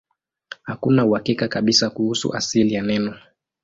Hakuna uhakika kabisa kuhusu asili ya neno.